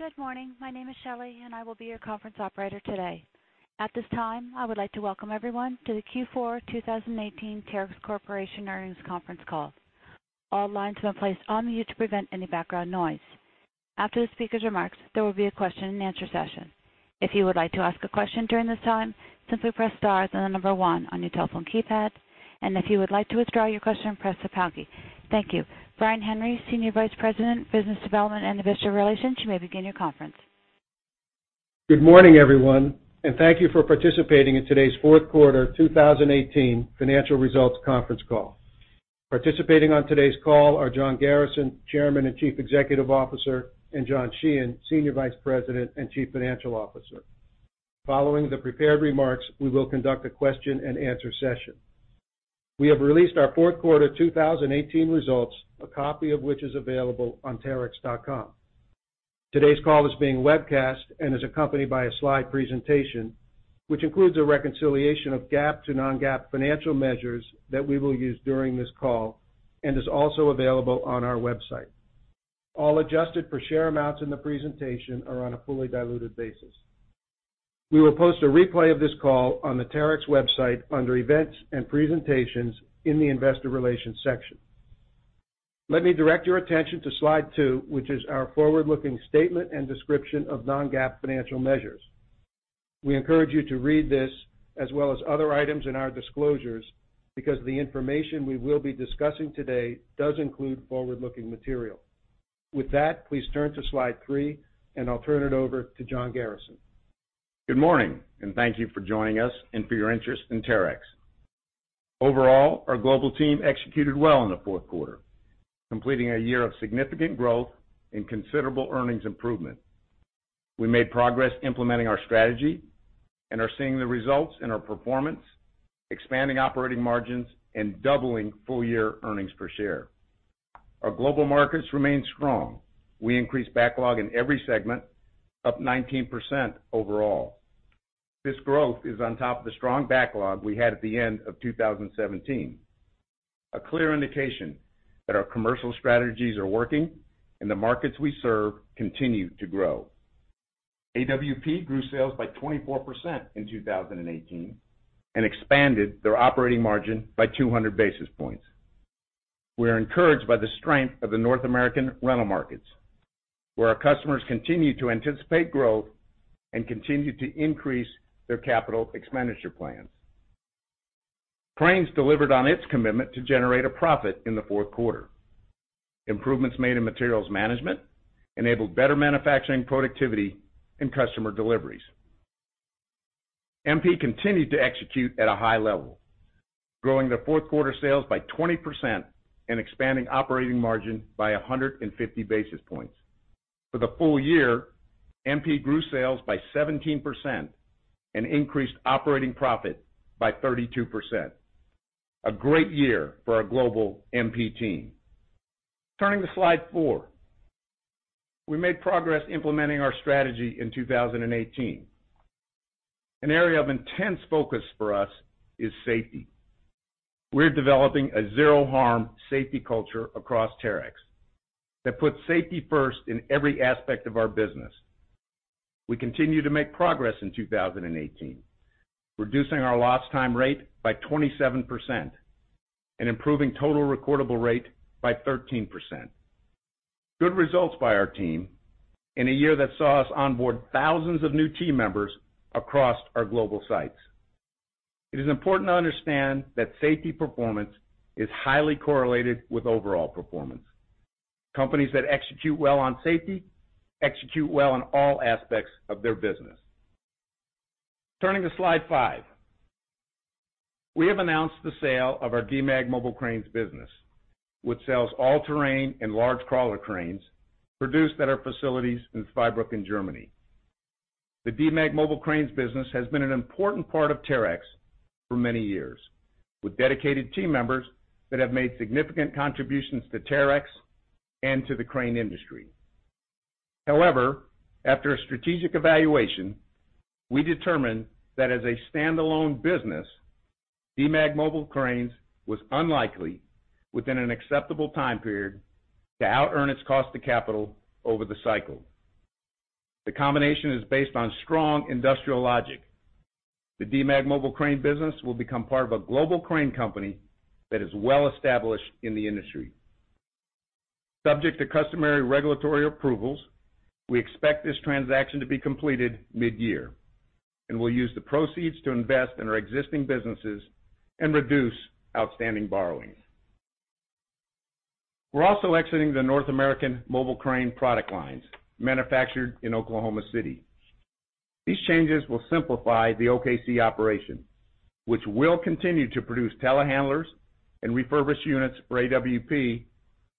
Good morning. My name is Shelley, and I will be your conference operator today. At this time, I would like to welcome everyone to the Q4 2018 Terex Corporation earnings conference call. All lines have been placed on mute to prevent any background noise. After the speaker's remarks, there will be a question and answer session. If you would like to ask a question during this time, simply press star, then the number one on your telephone keypad. If you would like to withdraw your question, press the pound key. Thank you. Brian Henry, Senior Vice President, Business Development and Investor Relations, you may begin your conference. Good morning, everyone. Thank you for participating in today's fourth quarter 2018 financial results conference call. Participating on today's call are John Garrison, Chairman and Chief Executive Officer, and John Sheehan, Senior Vice President and Chief Financial Officer. Following the prepared remarks, we will conduct a question and answer session. We have released our fourth quarter 2018 results, a copy of which is available on terex.com. Today's call is being webcast and is accompanied by a slide presentation, which includes a reconciliation of GAAP to non-GAAP financial measures that we will use during this call and is also available on our website. All adjusted-per-share amounts in the presentation are on a fully diluted basis. We will post a replay of this call on the Terex website under Events and Presentations in the Investor Relations section. Let me direct your attention to slide two, which is our forward-looking statement and description of non-GAAP financial measures. We encourage you to read this as well as other items in our disclosures because the information we will be discussing today does include forward-looking material. With that, please turn to slide three. I'll turn it over to John Garrison. Good morning. Thank you for joining us and for your interest in Terex. Overall, our global team executed well in the fourth quarter, completing a year of significant growth and considerable earnings improvement. We made progress implementing our strategy and are seeing the results in our performance, expanding operating margins and doubling full-year earnings per share. Our global markets remain strong. We increased backlog in every segment, up 19% overall. This growth is on top of the strong backlog we had at the end of 2017, a clear indication that our commercial strategies are working and the markets we serve continue to grow. AWP grew sales by 24% in 2018 and expanded their operating margin by 200 basis points. We are encouraged by the strength of the North American rental markets, where our customers continue to anticipate growth and continue to increase their capital expenditure plans. Cranes delivered on its commitment to generate a profit in the fourth quarter. Improvements made in materials management enabled better manufacturing productivity and customer deliveries. MP continued to execute at a high level, growing their fourth-quarter sales by 20% and expanding operating margin by 150 basis points. For the full year, MP grew sales by 17% and increased operating profit by 32%. A great year for our global MP team. Turning to slide four. We made progress implementing our strategy in 2018. An area of intense focus for us is safety. We're developing a zero-harm safety culture across Terex that puts safety first in every aspect of our business. We continued to make progress in 2018, reducing our lost time rate by 27% and improving total recordable rate by 13%. Good results by our team in a year that saw us onboard thousands of new team members across our global sites. It is important to understand that safety performance is highly correlated with overall performance. Companies that execute well on safety execute well on all aspects of their business. Turning to slide five. We have announced the sale of our Demag Mobile Cranes business, which sells all-terrain and large crawler cranes produced at our facilities in Zweibrücken, Germany. The Demag Mobile Cranes business has been an important part of Terex for many years, with dedicated team members that have made significant contributions to Terex and to the crane industry. However, after a strategic evaluation, we determined that as a standalone business, Demag Mobile Cranes was unlikely, within an acceptable time period, to outearn its cost of capital over the cycle. The combination is based on strong industrial logic. The Demag Mobile Cranes business will become part of a global crane company that is well established in the industry. Subject to customary regulatory approvals, we expect this transaction to be completed mid-year, and we'll use the proceeds to invest in our existing businesses and reduce outstanding borrowings. We're also exiting the North American mobile crane product lines manufactured in Oklahoma City. These changes will simplify the OKC operation, which will continue to produce telehandlers and refurbished units for AWP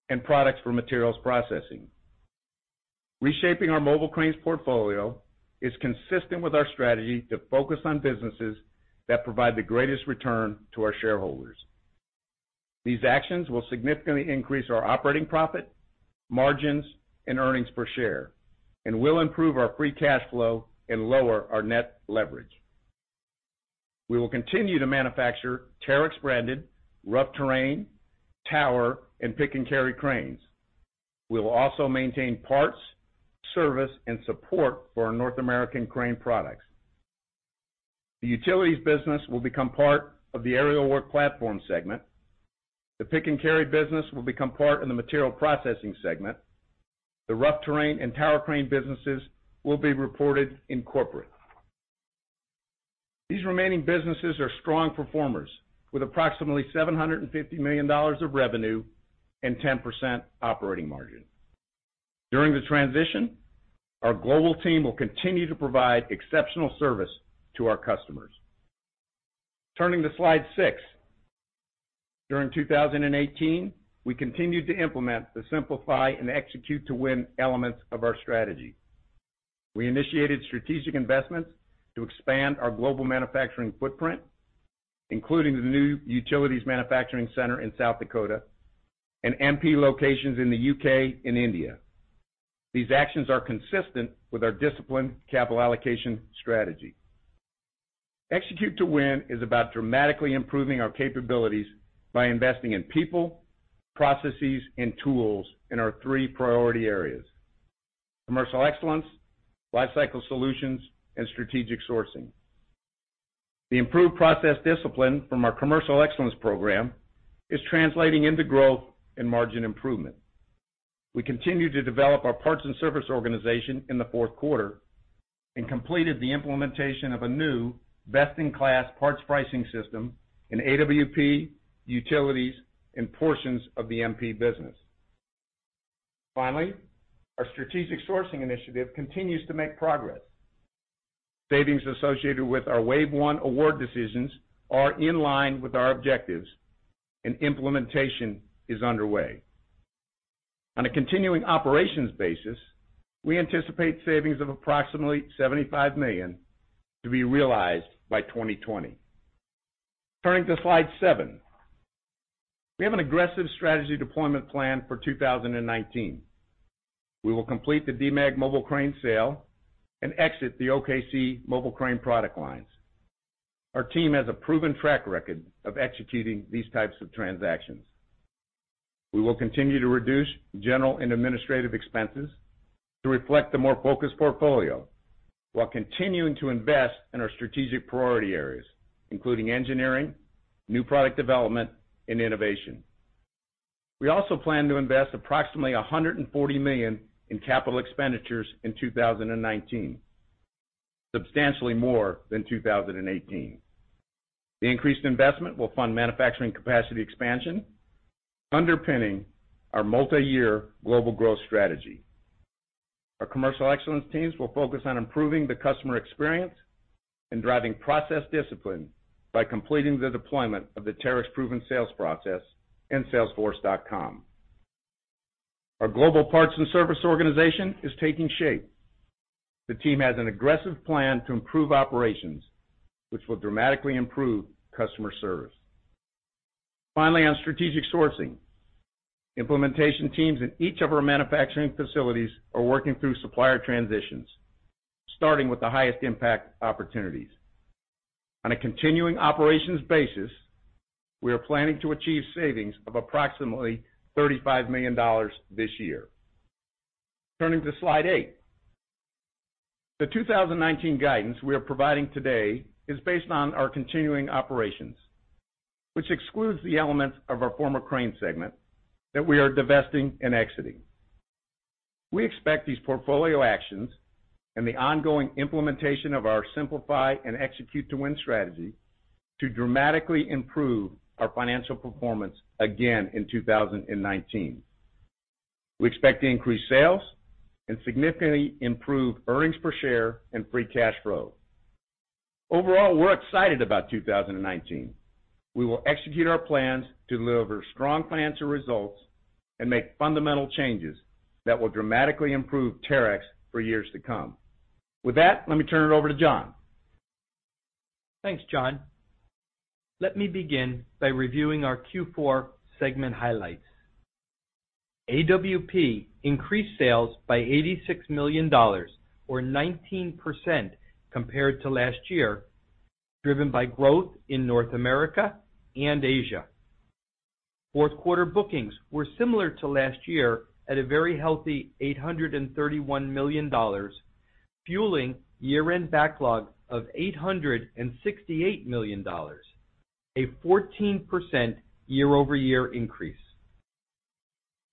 and products for Material Processing. Reshaping our mobile cranes portfolio is consistent with our strategy to focus on businesses that provide the greatest return to our shareholders. These actions will significantly increase our operating profit, margins, and earnings per share and will improve our free cash flow and lower our net leverage. We will continue to manufacture Terex-branded rough terrain, tower, and pick-and-carry cranes. We will also maintain parts, service, and support for our North American crane products. The Utilities business will become part of the Aerial Work Platform segment. The pick-and-carry business will become part in the Material Processing segment. The rough terrain and tower crane businesses will be reported in corporate. These remaining businesses are strong performers with approximately $750 million of revenue and 10% operating margin. During the transition, our global team will continue to provide exceptional service to our customers. Turning to slide six. During 2018, we continued to implement the Simplify and Execute to Win elements of our strategy. We initiated strategic investments to expand our global manufacturing footprint, including the new Utilities manufacturing center in South Dakota and MP locations in the U.K. and India. These actions are consistent with our disciplined capital allocation strategy. Execute to Win is about dramatically improving our capabilities by investing in people, processes, and tools in our three priority areas, Commercial Excellence, Lifecycle Solutions, and Strategic Sourcing. The improved process discipline from our Commercial Excellence program is translating into growth and margin improvement. We continue to develop our parts and service organization in the fourth quarter and completed the implementation of a new best-in-class parts pricing system in AWP, Utilities, and portions of the MP business. Finally, our Strategic Sourcing initiative continues to make progress. Savings associated with our wave one award decisions are in line with our objectives, and implementation is underway. On a continuing operations basis, we anticipate savings of approximately $75 million to be realized by 2020. Turning to slide seven. We have an aggressive strategy deployment plan for 2019. We will complete the Demag Mobile Crane sale and exit the OKC mobile crane product lines. Our team has a proven track record of executing these types of transactions. We will continue to reduce general and administrative expenses to reflect the more focused portfolio while continuing to invest in our strategic priority areas, including engineering, new product development, and innovation. We also plan to invest approximately $140 million in capital expenditures in 2019, substantially more than 2018. The increased investment will fund manufacturing capacity expansion, underpinning our multi-year global growth strategy. Our Commercial Excellence teams will focus on improving the customer experience and driving process discipline by completing the deployment of the Terex Proven Sales Process in salesforce.com. Our global parts and service organization is taking shape. The team has an aggressive plan to improve operations, which will dramatically improve customer service. Finally, on Strategic Sourcing, implementation teams in each of our manufacturing facilities are working through supplier transitions, starting with the highest impact opportunities. On a continuing operations basis, we are planning to achieve savings of approximately $35 million this year. Turning to slide eight. The 2019 guidance we are providing today is based on our continuing operations, which excludes the elements of our former crane segment that we are divesting and exiting. We expect these portfolio actions and the ongoing implementation of our Simplify and Execute to Win strategy to dramatically improve our financial performance again in 2019. We expect to increase sales and significantly improve earnings per share and free cash flow. Overall, we're excited about 2019. We will execute our plans to deliver strong financial results and make fundamental changes that will dramatically improve Terex for years to come. With that, let me turn it over to John. Thanks, John. Let me begin by reviewing our Q4 segment highlights. AWP increased sales by $86 million, or 19% compared to last year, driven by growth in North America and Asia. Fourth quarter bookings were similar to last year at a very healthy $831 million, fueling year-end backlog of $868 million, a 14% year-over-year increase.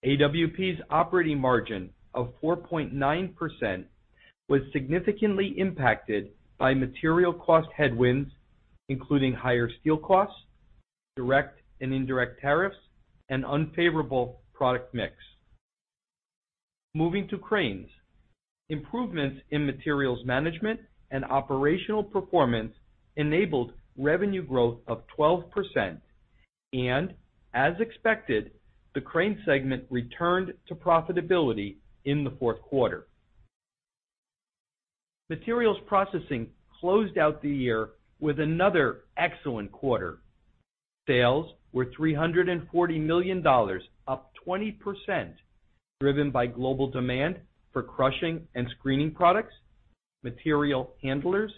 AWP's operating margin of 4.9% was significantly impacted by material cost headwinds, including higher steel costs, direct and indirect tariffs, and unfavorable product mix. Moving to cranes. Improvements in materials management and operational performance enabled revenue growth of 12%, and as expected, the crane segment returned to profitability in the fourth quarter. Materials Processing closed out the year with another excellent quarter. Sales were $340 million, up 20%, driven by global demand for crushing and screening products, material handlers,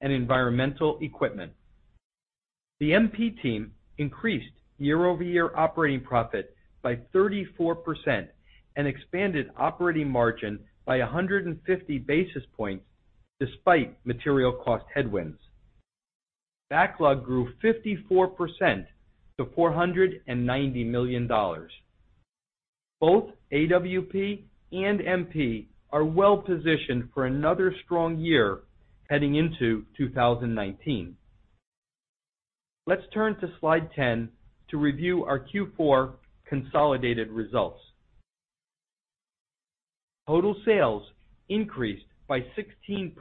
and environmental equipment. The MP team increased year-over-year operating profit by 34% and expanded operating margin by 150 basis points despite material cost headwinds. Backlog grew 54% to $490 million. Both AWP and MP are well-positioned for another strong year heading into 2019. Let's turn to slide 10 to review our Q4 consolidated results. Total sales increased by 16%.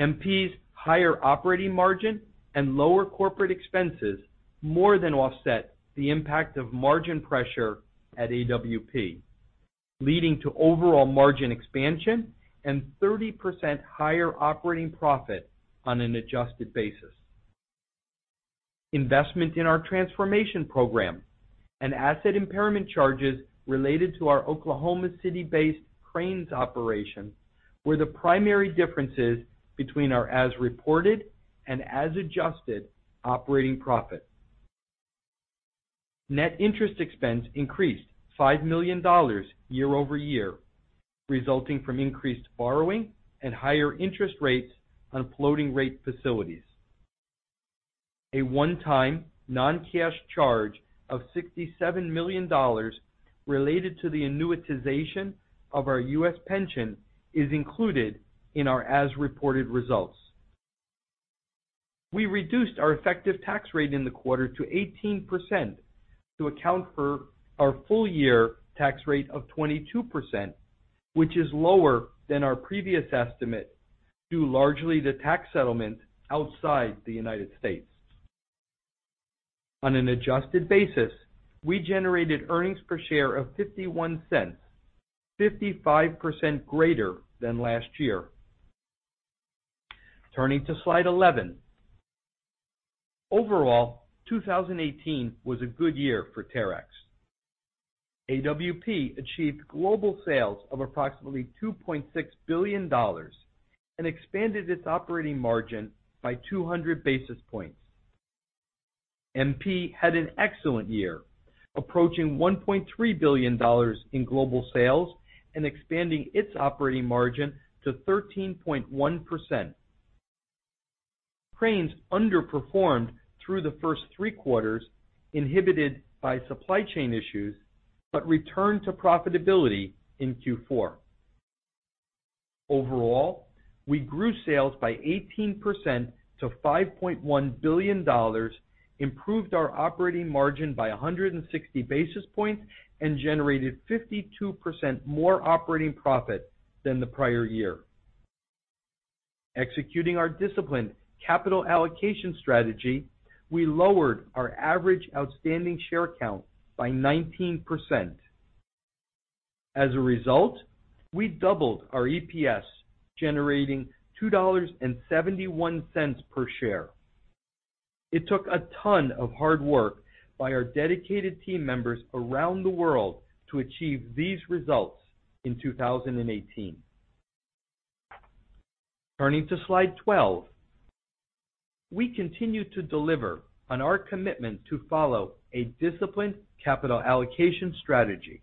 MP's higher operating margin and lower corporate expenses more than offset the impact of margin pressure at AWP, leading to overall margin expansion and 30% higher operating profit on an adjusted basis. Investment in our transformation program and asset impairment charges related to our Oklahoma City-based Cranes operation were the primary differences between our as-reported and as-adjusted operating profit. Net interest expense increased $5 million year-over-year, resulting from increased borrowing and higher interest rates on floating rate facilities. A one-time non-cash charge of $67 million related to the annuitization of our U.S. pension is included in our as-reported results. We reduced our effective tax rate in the quarter to 18% to account for our full-year tax rate of 22%, which is lower than our previous estimate, due largely to tax settlement outside the United States. On an adjusted basis, we generated earnings per share of $0.51, 55% greater than last year. Turning to slide 11. Overall, 2018 was a good year for Terex. AWP achieved global sales of approximately $2.6 billion and expanded its operating margin by 200 basis points. MP had an excellent year, approaching $1.3 billion in global sales and expanding its operating margin to 13.1%. Cranes underperformed through the first three quarters, inhibited by supply chain issues, but returned to profitability in Q4. Overall, we grew sales by 18% to $5.1 billion, improved our operating margin by 160 basis points, and generated 52% more operating profit than the prior year. Executing our disciplined capital allocation strategy, we lowered our average outstanding share count by 19%. As a result, we doubled our EPS, generating $2.71 per share. It took a ton of hard work by our dedicated team members around the world to achieve these results in 2018. Turning to slide 12. We continue to deliver on our commitment to follow a disciplined capital allocation strategy.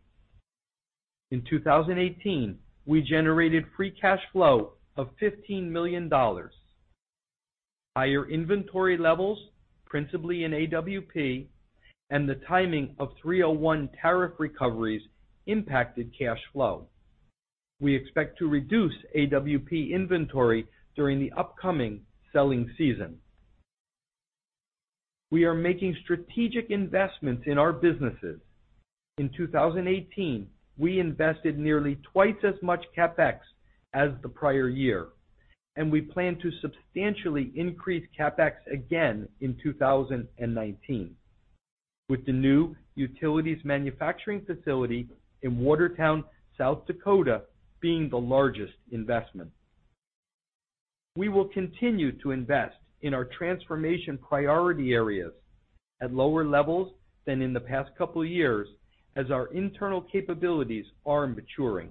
In 2018, we generated free cash flow of $15 million. Higher inventory levels, principally in AWP, and the timing of 301 tariff recoveries impacted cash flow. We expect to reduce AWP inventory during the upcoming selling season. We are making strategic investments in our businesses. In 2018, we invested nearly twice as much CapEx as the prior year, and we plan to substantially increase CapEx again in 2019. With the new utilities manufacturing facility in Watertown, South Dakota, being the largest investment. We will continue to invest in our transformation priority areas at lower levels than in the past couple of years as our internal capabilities are maturing.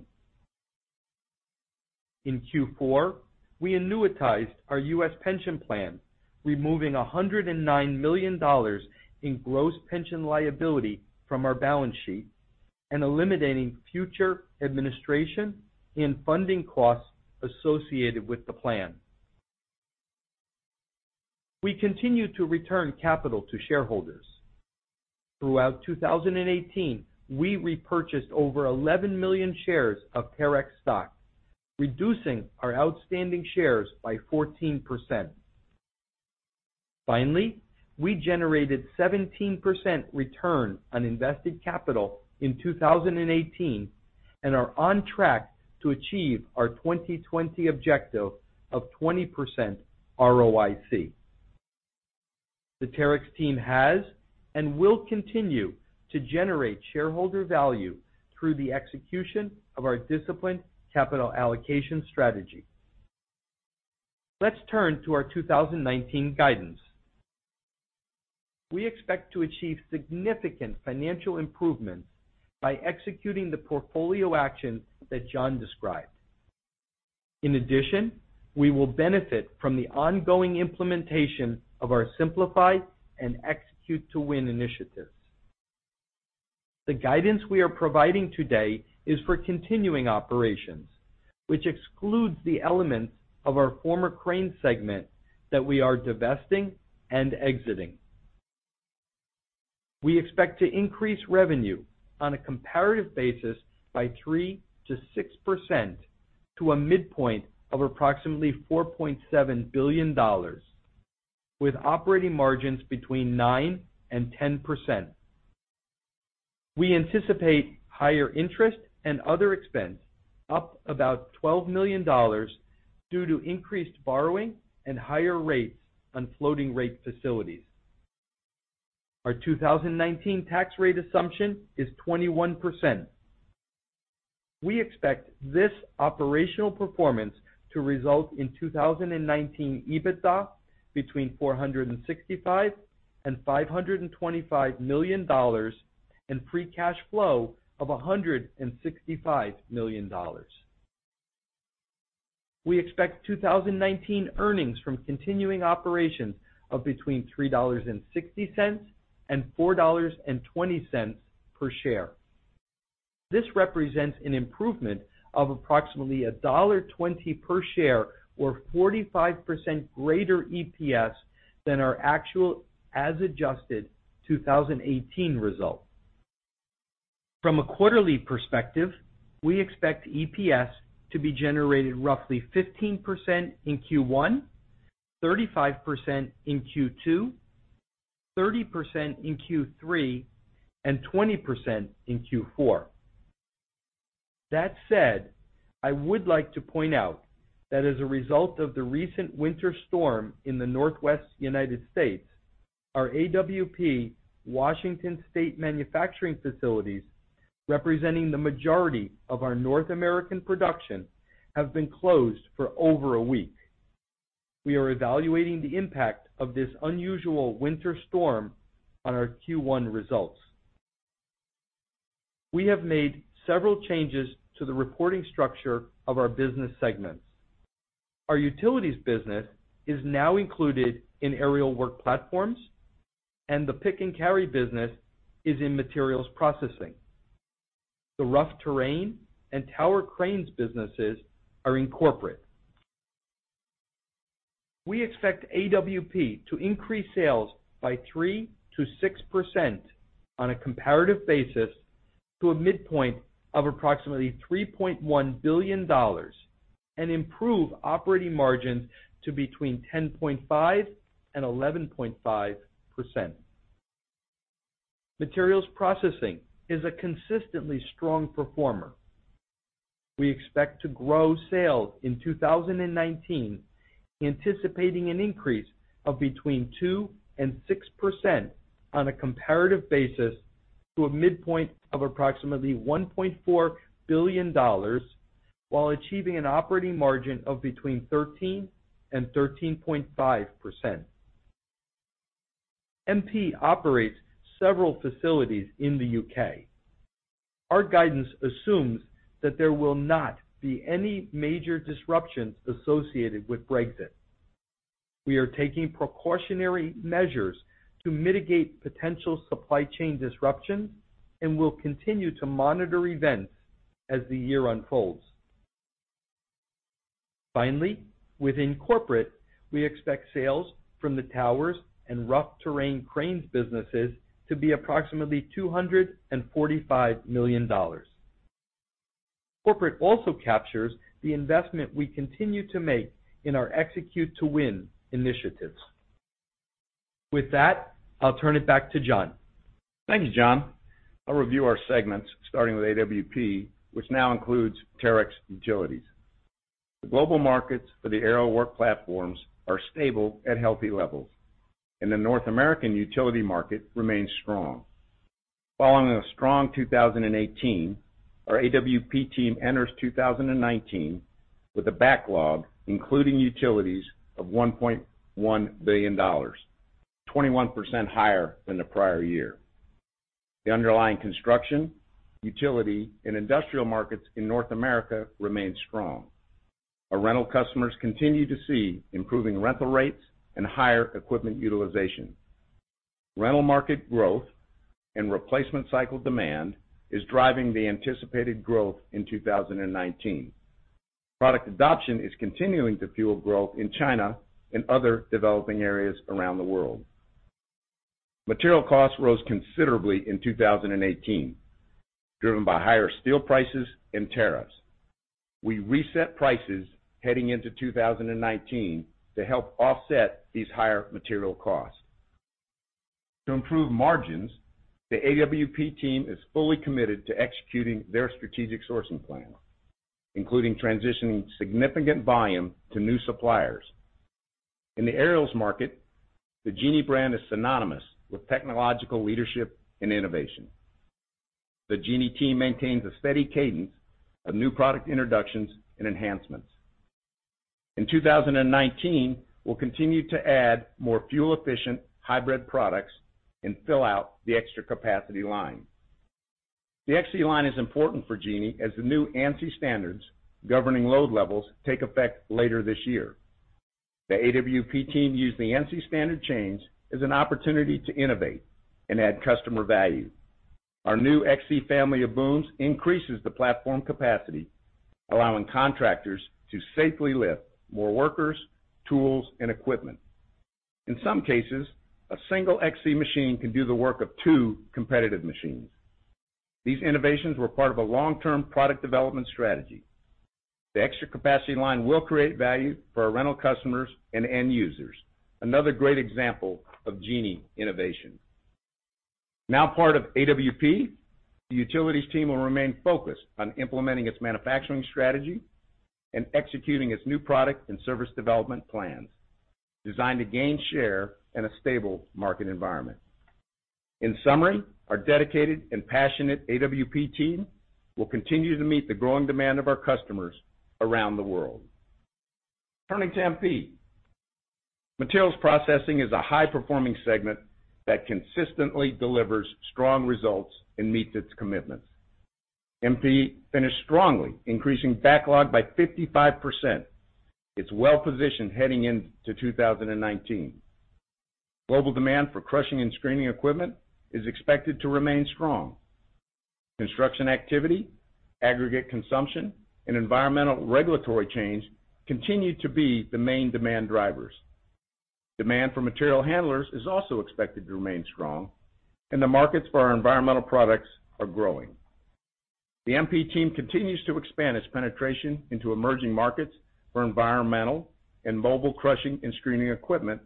In Q4, we annuitized our U.S. pension plan, removing $109 million in gross pension liability from our balance sheet and eliminating future administration and funding costs associated with the plan. We continue to return capital to shareholders. Throughout 2018, we repurchased over 11 million shares of Terex stock, reducing our outstanding shares by 14%. Finally, we generated 17% return on invested capital in 2018 and are on track to achieve our 2020 objective of 20% ROIC. The Terex team has and will continue to generate shareholder value through the execution of our disciplined capital allocation strategy. Let's turn to our 2019 guidance. We expect to achieve significant financial improvements by executing the portfolio action that John described. In addition, we will benefit from the ongoing implementation of our Simplify and Execute to Win initiatives. The guidance we are providing today is for continuing operations, which excludes the elements of our former Cranes segment that we are divesting and exiting. We expect to increase revenue on a comparative basis by 3%-6%, to a midpoint of approximately $4.7 billion, with operating margins between 9% and 10%. We anticipate higher interest and other expense up about $12 million due to increased borrowing and higher rates on floating rate facilities. Our 2019 tax rate assumption is 21%. We expect this operational performance to result in 2019 EBITDA between $465 and $525 million, and free cash flow of $165 million. We expect 2019 earnings from continuing operations of between $3.60 and $4.20 per share. This represents an improvement of approximately $1.20 per share or 45% greater EPS than our actual, as adjusted, 2018 result. From a quarterly perspective, we expect EPS to be generated roughly 15% in Q1, 35% in Q2, 30% in Q3, and 20% in Q4. That said, I would like to point out that as a result of the recent winter storm in the Northwest U.S., our AWP Washington State manufacturing facilities, representing the majority of our North American production, have been closed for over a week. We are evaluating the impact of this unusual winter storm on our Q1 results. We have made several changes to the reporting structure of our business segments. Our Utilities business is now included in Aerial Work Platforms, and the Pick and Carry business is in Materials Processing. The Rough Terrain and Tower Cranes businesses are in Corporate. We expect AWP to increase sales by 3%-6% on a comparative basis to a midpoint of approximately $3.1 billion and improve operating margins to between 10.5% and 11.5%. Materials Processing is a consistently strong performer. We expect to grow sales in 2019, anticipating an increase of between 2% and 6% on a comparative basis to a midpoint of approximately $1.4 billion, while achieving an operating margin of between 13% and 13.5%. MP operates several facilities in the U.K. Our guidance assumes that there will not be any major disruptions associated with Brexit. We are taking precautionary measures to mitigate potential supply chain disruptions and will continue to monitor events as the year unfolds. Finally, within Corporate, we expect sales from the Towers and Rough Terrain Cranes businesses to be approximately $245 million. Corporate also captures the investment we continue to make in our Execute to Win initiatives. With that, I'll turn it back to John. Thank you, John. I'll review our segments starting with AWP, which now includes Terex Utilities. The global markets for the Aerial Work Platforms are stable at healthy levels, and the North American utility market remains strong. Following a strong 2018, our AWP team enters 2019 with a backlog, including utilities, of $1.1 billion, 21% higher than the prior year. The underlying construction, utility, and industrial markets in North America remain strong. Our rental customers continue to see improving rental rates and higher equipment utilization. Rental market growth and replacement cycle demand is driving the anticipated growth in 2019. Product adoption is continuing to fuel growth in China and other developing areas around the world. Material costs rose considerably in 2018, driven by higher steel prices and tariffs. We reset prices heading into 2019 to help offset these higher material costs. To improve margins, the AWP team is fully committed to executing their strategic sourcing plan, including transitioning significant volume to new suppliers. In the Aerials market, the Genie brand is synonymous with technological leadership and innovation. The Genie team maintains a steady cadence of new product introductions and enhancements. In 2019, we'll continue to add more fuel-efficient hybrid products and fill out the Xtra Capacity line. The XC line is important for Genie as the new ANSI standards governing load levels take effect later this year. The AWP team used the ANSI standard change as an opportunity to innovate and add customer value. Our new XC family of booms increases the platform capacity, allowing contractors to safely lift more workers, tools, and equipment. In some cases, a single XC machine can do the work of two competitive machines. These innovations were part of a long-term product development strategy. The Xtra Capacity line will create value for our rental customers and end users. Another great example of Genie innovation. Now part of AWP, the utilities team will remain focused on implementing its manufacturing strategy and executing its new product and service development plans, designed to gain share in a stable market environment. In summary, our dedicated and passionate AWP team will continue to meet the growing demand of our customers around the world. Turning to MP. Materials processing is a high-performing segment that consistently delivers strong results and meets its commitments. MP finished strongly, increasing backlog by 55%. It's well-positioned heading into 2019. Global demand for crushing and screening equipment is expected to remain strong. Construction activity, aggregate consumption, and environmental regulatory change continue to be the main demand drivers. Demand for material handlers is also expected to remain strong, and the markets for our environmental products are growing. The MP team continues to expand its penetration into emerging markets for environmental and mobile crushing and screening equipment,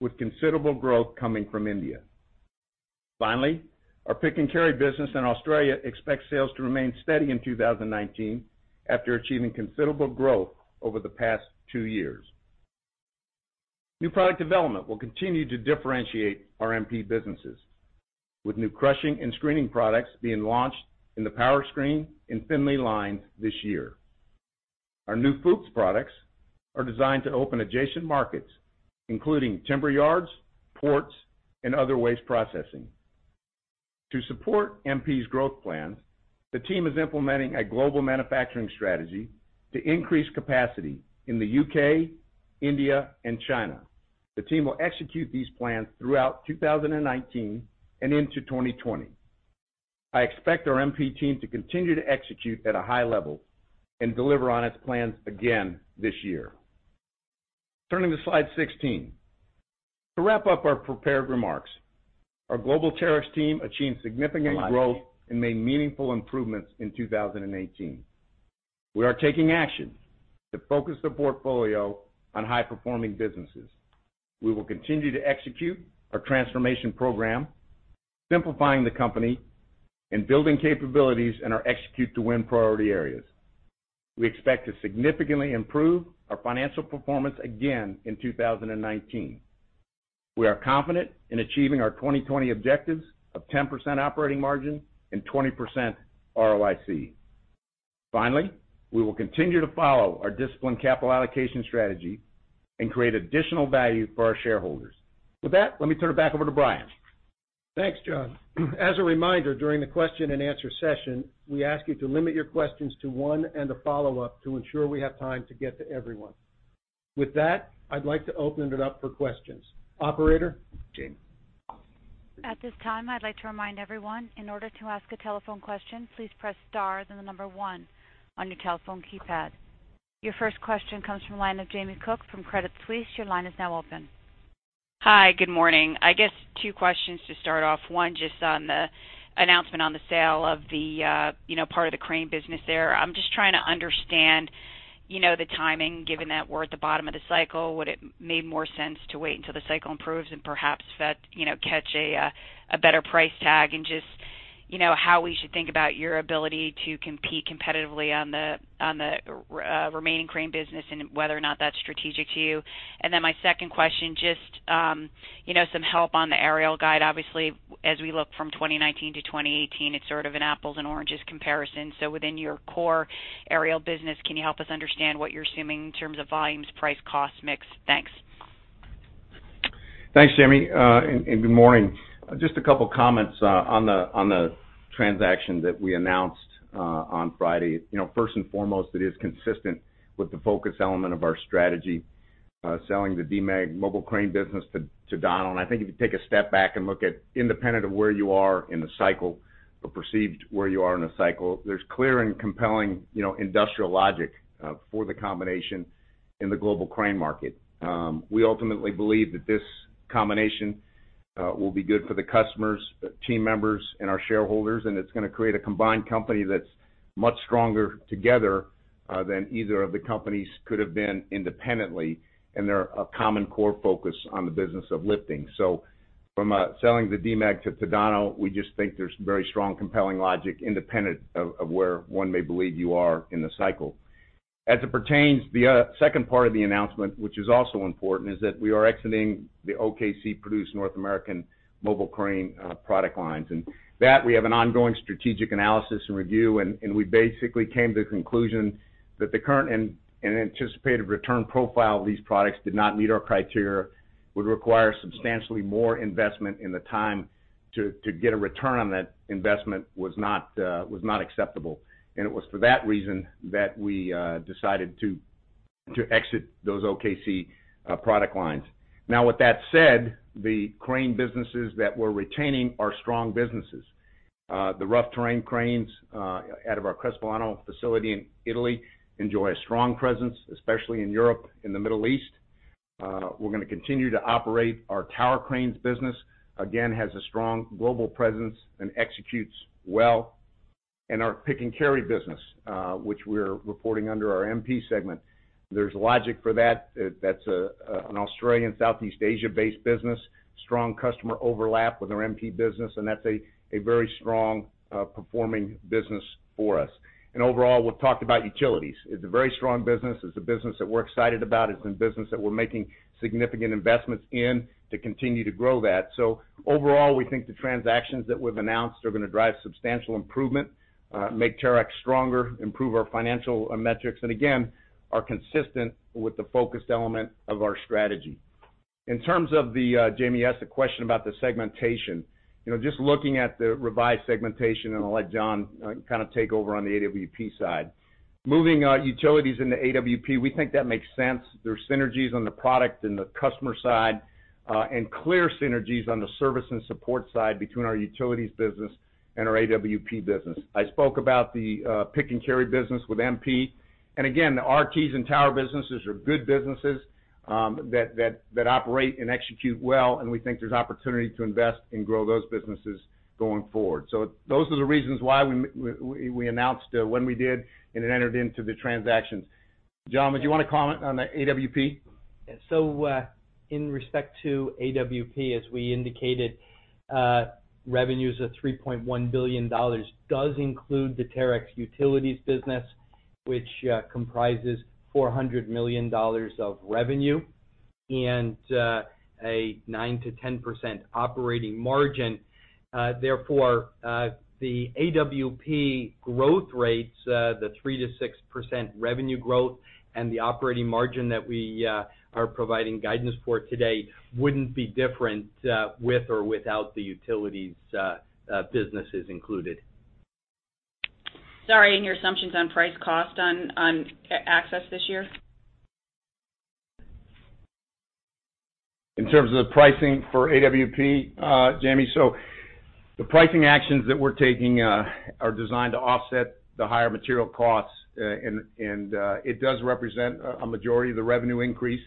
with considerable growth coming from India. Finally, our Pick and Carry business in Australia expects sales to remain steady in 2019 after achieving considerable growth over the past two years. New product development will continue to differentiate our MP businesses, with new crushing and screening products being launched in the Powerscreen and Finlay lines this year. Our new Fuchs products are designed to open adjacent markets, including timber yards, ports, and other waste processing. To support MP's growth plans, the team is implementing a global manufacturing strategy to increase capacity in the U.K., India, and China. The team will execute these plans throughout 2019 and into 2020. I expect our MP team to continue to execute at a high level and deliver on its plans again this year. Turning to slide 16. To wrap up our prepared remarks, our global Terex team achieved significant growth and made meaningful improvements in 2018. We are taking action to focus the portfolio on high-performing businesses. We will continue to execute our transformation program, simplifying the company and building capabilities in our Execute to Win priority areas. We expect to significantly improve our financial performance again in 2019. We are confident in achieving our 2020 objectives of 10% operating margin and 20% ROIC. Finally, we will continue to follow our disciplined capital allocation strategy and create additional value for our shareholders. With that, let me turn it back over to Brian. Thanks, John. As a reminder, during the question and answer session, we ask you to limit your questions to one and a follow-up to ensure we have time to get to everyone. With that, I'd like to open it up for questions. Operator? At this time, I'd like to remind everyone, in order to ask a telephone question, please press star then the number one on your telephone keypad. Your first question comes from the line of Jamie Cook from Credit Suisse. Your line is now open. Hi. Good morning. I guess two questions to start off. One, just on the announcement on the sale of part of the crane business there. I'm just trying to understand the timing, given that we're at the bottom of the cycle. Would it made more sense to wait until the cycle improves and perhaps catch a better price tag? Just how we should think about your ability to compete competitively on the remaining crane business and whether or not that's strategic to you. My second question, just some help on the aerial guide. Obviously, as we look from 2019 to 2018, it's sort of an apples and oranges comparison. So within your core aerial business, can you help us understand what you're assuming in terms of volumes, price, cost mix? Thanks. Thanks, Jamie, and good morning. Just a couple of comments on the transaction that we announced on Friday. First and foremost, it is consistent with the focus element of our strategy, selling the Demag Mobile Crane business to Tadano. I think if you take a step back and look at independent of where you are in the cycle or perceived where you are in the cycle, there is clear and compelling industrial logic for the combination in the global crane market. We ultimately believe that this combination will be good for the customers, team members, and our shareholders, and it is going to create a combined company that is much stronger together than either of the companies could have been independently. There is a common core focus on the business of lifting. From selling the Demag to Tadano, we just think there is very strong, compelling logic independent of where one may believe you are in the cycle. As it pertains, the second part of the announcement, which is also important, is that we are exiting the OKC produced North American mobile crane product lines. We have an ongoing strategic analysis and review, and we basically came to the conclusion that the current and anticipated return profile of these products did not meet our criteria, would require substantially more investment in the time to get a return on that investment was not acceptable. It was for that reason that we decided to exit those OKC product lines. With that said, the crane businesses that we are retaining are strong businesses. The rough terrain cranes out of our Crespellano facility in Italy enjoy a strong presence, especially in Europe and the Middle East. We are going to continue to operate our tower cranes business, again, has a strong global presence and executes well. Our Pick and Carry business, which we are reporting under our MP segment. There is logic for that. That is an Australian, Southeast Asia-based business, strong customer overlap with our MP business, and that is a very strong performing business for us. Overall, we have talked about utilities. It is a very strong business. It is a business that we are excited about. It is a business that we are making significant investments in to continue to grow that. Overall, we think the transactions that we have announced are going to drive substantial improvement, make Terex stronger, improve our financial metrics, and again, are consistent with the focused element of our strategy. In terms of the, Jamie asked a question about the segmentation. Just looking at the revised segmentation, I will let John kind of take over on the AWP side. Moving utilities into AWP, we think that makes sense. There are synergies on the product and the customer side, and clear synergies on the service and support side between our utilities business and our AWP business. I spoke about the Pick and Carry business with MP. Again, the RTs and tower businesses are good businesses that operate and execute well, and we think there is opportunity to invest and grow those businesses going forward. Those are the reasons why we announced when we did, and it entered into the transactions. John, would you want to comment on the AWP? In respect to AWP, as we indicated, revenues of $3.1 billion does include the Terex Utilities business, which comprises $400 million of revenue and a 9%-10% operating margin. Therefore, the AWP growth rates, the 3%-6% revenue growth and the operating margin that we are providing guidance for today wouldn't be different with or without the utilities businesses included. Sorry, your assumptions on price cost on AWP this year? In terms of the pricing for AWP, Jamie, the pricing actions that we're taking are designed to offset the higher material costs, and it does represent a majority of the revenue increase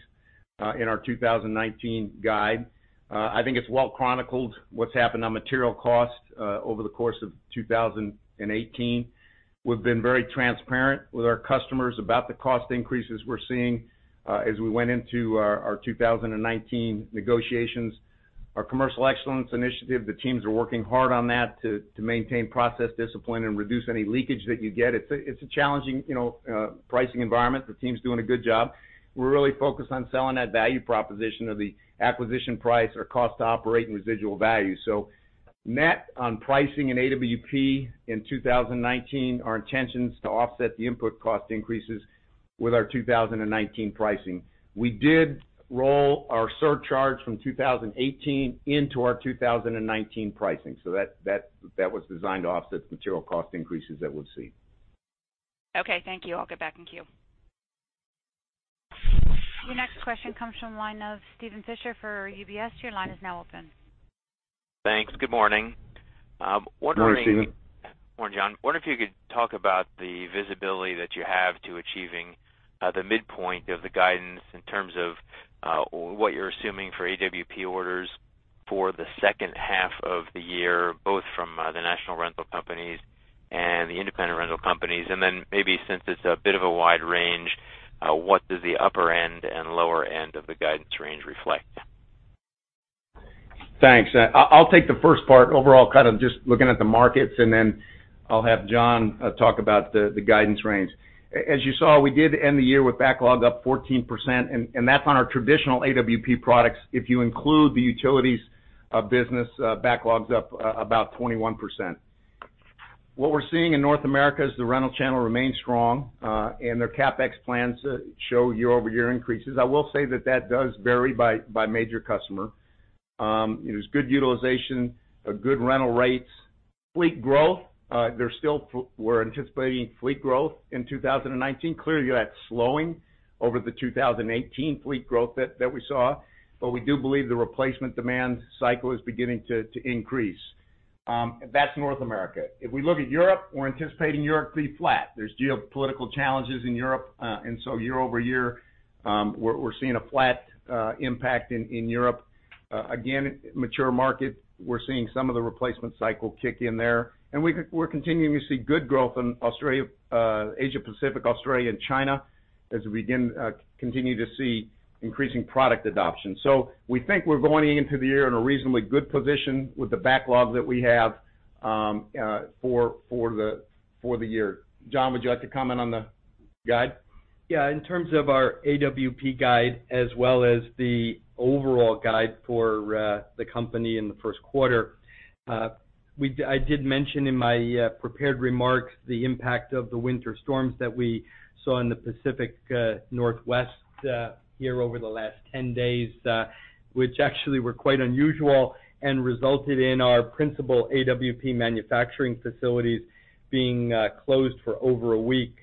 in our 2019 guide. I think it's well chronicled what's happened on material costs over the course of 2018. We've been very transparent with our customers about the cost increases we're seeing as we went into our 2019 negotiations. Our commercial excellence initiative, the teams are working hard on that to maintain process discipline and reduce any leakage that you get. It's a challenging pricing environment. The team's doing a good job. We're really focused on selling that value proposition of the acquisition price or cost to operate and residual value. Net on pricing in AWP in 2019, our intention's to offset the input cost increases with our 2019 pricing. We did roll our surcharge from 2018 into our 2019 pricing, that was designed to offset the material cost increases that we'll see. Okay, thank you. I'll get back in queue. Your next question comes from the line of Steven Fisher for UBS. Your line is now open. Thanks. Good morning. Good morning, Steven. Morning, John. Wonder if you could talk about the visibility that you have to achieving the midpoint of the guidance in terms of what you're assuming for AWP orders for the second half of the year, both from the national rental companies and the independent rental companies. Maybe since it's a bit of a wide range, what does the upper end and lower end of the guidance range reflect? Thanks. I'll take the first part overall, kind of just looking at the markets, then I'll have John talk about the guidance range. As you saw, we did end the year with backlog up 14%, and that's on our traditional AWP products. If you include the Utilities business, backlog's up about 21%. What we're seeing in North America is the rental channel remains strong, and their CapEx plans show year-over-year increases. I will say that that does vary by major customer. There's good utilization, good rental rates. Fleet growth, we're anticipating fleet growth in 2019. Clearly, that's slowing over the 2018 fleet growth that we saw. We do believe the replacement demand cycle is beginning to increase. That's North America. If we look at Europe, we're anticipating Europe to be flat. There's geopolitical challenges in Europe. Year-over-year, we're seeing a flat impact in Europe. Again, mature market. We're seeing some of the replacement cycle kick in there. We're continuing to see good growth in Asia Pacific, Australia, and China as we continue to see increasing product adoption. We think we're going into the year in a reasonably good position with the backlog that we have for the year. John, would you like to comment on the guide? Yeah. In terms of our AWP guide, as well as the overall guide for the company in the first quarter, I did mention in my prepared remarks the impact of the winter storms that we saw in the Pacific Northwest here over the last 10 days, which actually were quite unusual and resulted in our principal AWP manufacturing facilities being closed for over a week.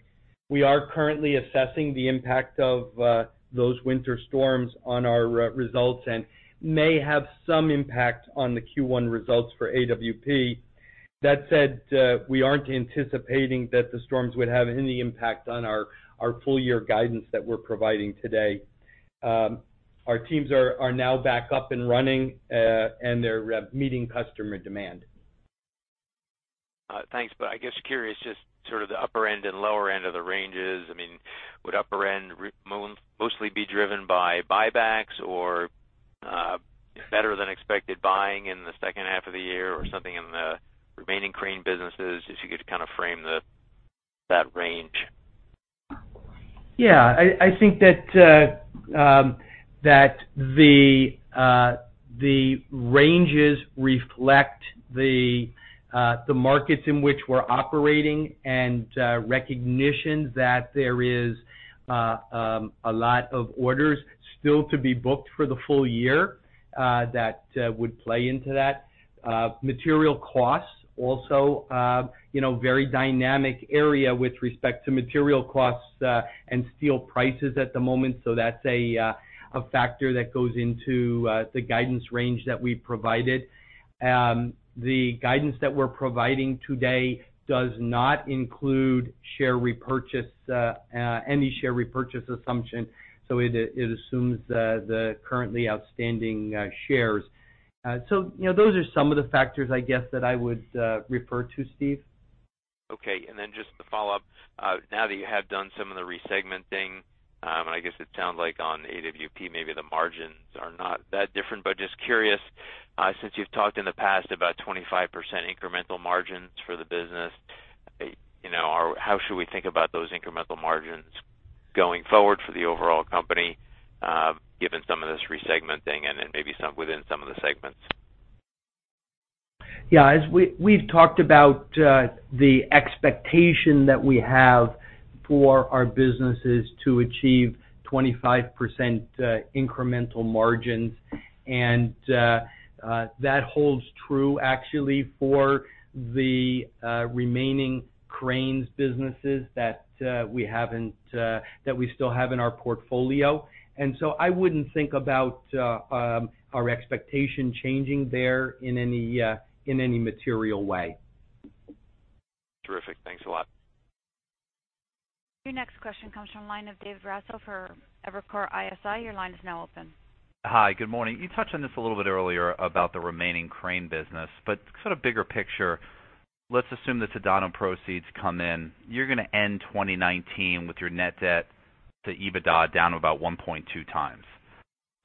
We are currently assessing the impact of those winter storms on our results and may have some impact on the Q1 results for AWP. That said, we aren't anticipating that the storms would have any impact on our full-year guidance that we're providing today. Our teams are now back up and running, and they're meeting customer demand. Thanks. I guess curious, just sort of the upper end and lower end of the ranges. Would upper end mostly be driven by buybacks or better than expected buying in the second half of the year or something in the remaining Crane businesses? If you could kind of frame that range. I think that the ranges reflect the markets in which we're operating and recognition that there is a lot of orders still to be booked for the full year that would play into that. Material costs also, very dynamic area with respect to material costs and steel prices at the moment. That's a factor that goes into the guidance range that we provided. The guidance that we're providing today does not include any share repurchase assumption, it assumes the currently outstanding shares. Those are some of the factors, I guess, that I would refer to, Steve. Okay. Just the follow-up. Now that you have done some of the re-segmenting, I guess it sounds like on AWP, maybe the margins are not that different, but just curious, since you've talked in the past about 25% incremental margins for the business, how should we think about those incremental margins going forward for the overall company, given some of this re-segmenting and then maybe within some of the segments? As we've talked about the expectation that we have for our businesses to achieve 25% incremental margins, that holds true actually for the remaining Cranes businesses that we still have in our portfolio. I wouldn't think about our expectation changing there in any material way. Terrific. Thanks a lot. Your next question comes from the line of David Raso for Evercore ISI. Your line is now open. Hi, good morning. You touched on this a little bit earlier about the remaining Crane business, but sort of bigger picture, let's assume the Tadano proceeds come in. You're going to end 2019 with your net debt to EBITDA down to about 1.2 times.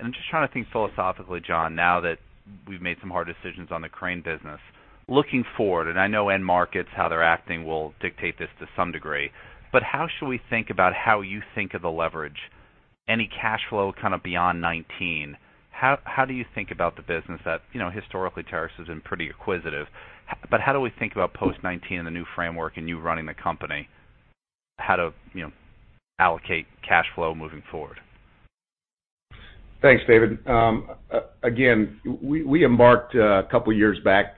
I'm just trying to think philosophically, John, now that we've made some hard decisions on the Crane business. Looking forward, I know end markets, how they're acting will dictate this to some degree, but how should we think about how you think of the leverage, any cash flow kind of beyond 2019? How do you think about the business that historically Terex has been pretty acquisitive? How do we think about post 2019 and the new framework and you running the company, how to allocate cash flow moving forward? Thanks, David. We embarked a couple of years back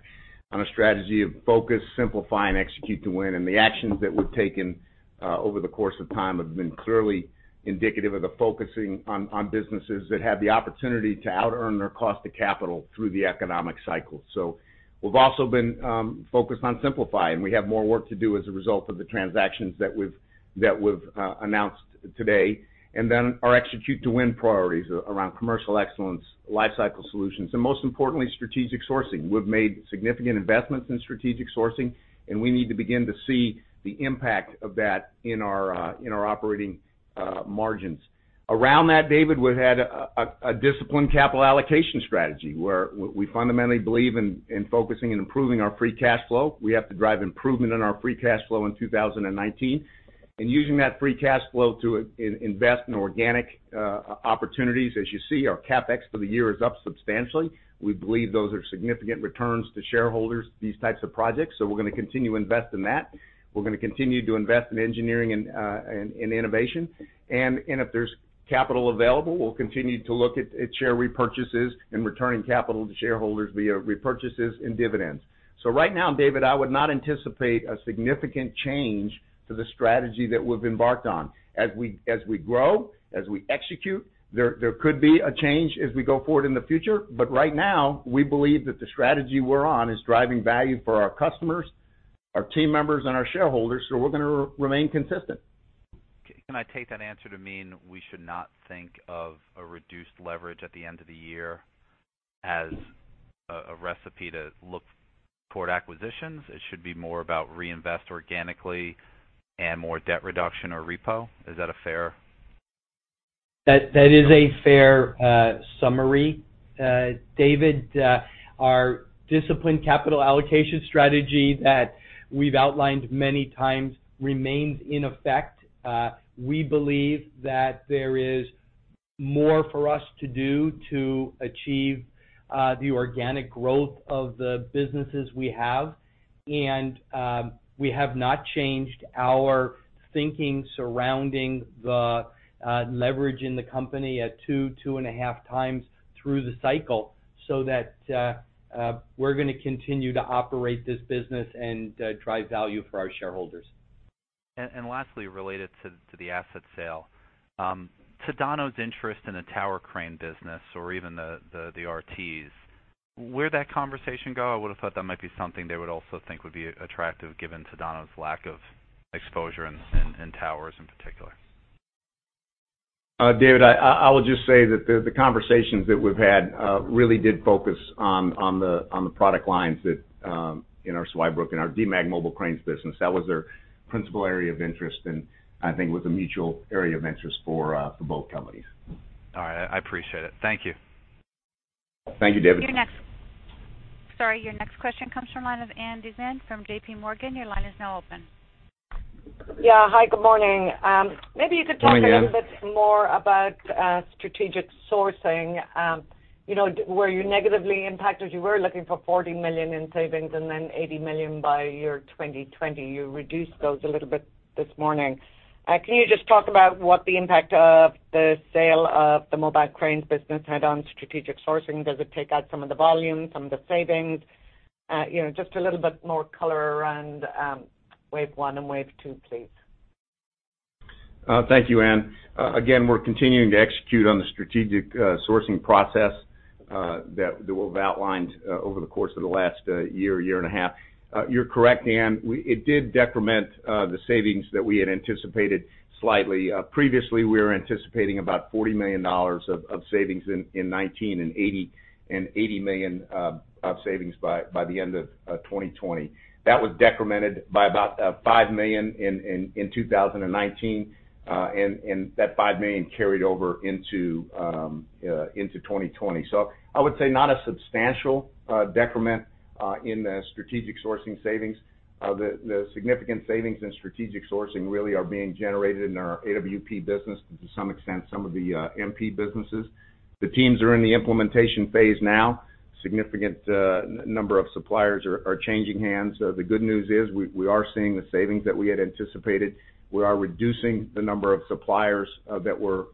on a strategy of Focus, Simplify, and Execute to Win. The actions that we've taken over the course of time have been clearly indicative of the focusing on businesses that have the opportunity to out-earn their cost of capital through the economic cycle. We've also been focused on simplify, and we have more work to do as a result of the transactions that we've announced today. Our Execute to Win priorities around Commercial Excellence, Lifecycle Solutions, and most importantly, Strategic Sourcing. We've made significant investments in Strategic Sourcing, and we need to begin to see the impact of that in our operating margins. Around that, David, we've had a disciplined capital allocation strategy, where we fundamentally believe in focusing and improving our free cash flow. We have to drive improvement in our free cash flow in 2019 and using that free cash flow to invest in organic opportunities. As you see, our CapEx for the year is up substantially. We believe those are significant returns to shareholders, these types of projects. We're going to continue to invest in that. We're going to continue to invest in engineering and innovation. If there's capital available, we'll continue to look at share repurchases and returning capital to shareholders via repurchases and dividends. Right now, David, I would not anticipate a significant change to the strategy that we've embarked on. As we grow, as we execute, there could be a change as we go forward in the future. Right now, we believe that the strategy we're on is driving value for our customers, our team members, and our shareholders, so we're going to remain consistent. Can I take that answer to mean we should not think of a reduced leverage at the end of the year as a recipe to look toward acquisitions? It should be more about reinvest organically and more debt reduction or repo. Is that a fair That is a fair summary, David. Our disciplined capital allocation strategy that we've outlined many times remains in effect. We believe that there is more for us to do to achieve the organic growth of the businesses we have. We have not changed our thinking surrounding the leverage in the company at two and a half times through the cycle, so that we're going to continue to operate this business and drive value for our shareholders. Lastly, related to the asset sale. Tadano's interest in a tower crane business or even the RTs, where'd that conversation go? I would have thought that might be something they would also think would be attractive given Tadano's lack of exposure in towers in particular. David, I will just say that the conversations that we've had really did focus on the product lines in our Zweibrücken, our Demag Mobile Cranes business. That was their principal area of interest, and I think it was a mutual area of interest for both companies. All right. I appreciate it. Thank you. Thank you, David. Your next question comes from line of Ann Duignan from JPMorgan. Your line is now open. Yeah. Hi, good morning. Good morning, Ann. Maybe you could talk a little bit more about strategic sourcing. Were you negatively impacted? You were looking for $40 million in savings and then $80 million by year 2020. You reduced those a little bit this morning. Can you just talk about what the impact of the sale of the mobile cranes business had on strategic sourcing? Does it take out some of the volume, some of the savings? Just a little bit more color around wave 1 and wave 2, please. We're continuing to execute on the strategic sourcing process that we've outlined over the course of the last year and a half. You're correct, Ann. It did decrement the savings that we had anticipated slightly. Previously, we were anticipating about $40 million of savings in 2019 and $80 million of savings by the end of 2020. That was decremented by about $5 million in 2019. That $5 million carried over into 2020. I would say not a substantial decrement in the strategic sourcing savings. The significant savings in strategic sourcing really are being generated in our AWP business and to some extent, some of the MP businesses. The teams are in the implementation phase now. Significant number of suppliers are changing hands. The good news is we are seeing the savings that we had anticipated. We are reducing the number of suppliers that we're